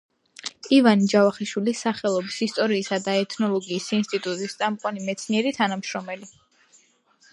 ივანე ჯავახიშვილის სახელობის ისტორიისა და ეთნოლოგიის ინსტიტუტის წამყვანი მეცნიერი თანამშრომელი.